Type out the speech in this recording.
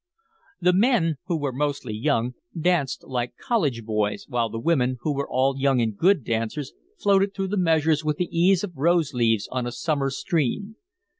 The men, who were mostly young, danced like college boys, while the women, who were all young and good dancers, floated through the measures with the ease of rose leaves on a summer stream.